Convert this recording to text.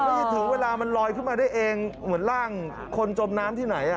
ถึงเวลามันลอยขึ้นมาได้เองเหมือนร่างคนจมน้ำที่ไหน